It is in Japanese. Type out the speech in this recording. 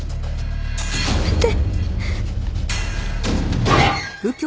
やめて。